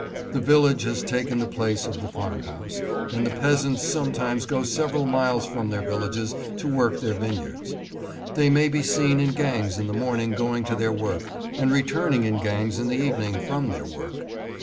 The village has taken the place of the farm house, and the peasants sometimes go several miles from their villages to work their vineyards. They may be seen in gangs in the morning going to their work, and returning in gangs in the evening from their work.